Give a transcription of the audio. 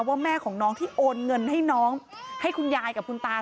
ว่าแม่ของน้องที่โอนเงินให้น้องให้คุณยายกับคุณตา